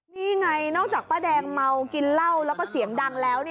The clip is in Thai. นี่ไงนอกจากป้าแดงเมากินเหล้าแล้วก็เสียงดังแล้ว